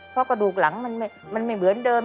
เพราะกระดูกหลังมันไม่เหมือนเดิม